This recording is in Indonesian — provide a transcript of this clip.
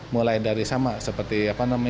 mulai dari sama seperti apa namanya